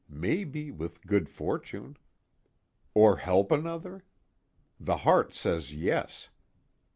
Maybe, with good fortune._ _Or help another? The heart says yes.